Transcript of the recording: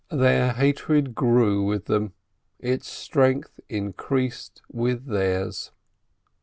Their hatred grew with them, its strength increased with theirs.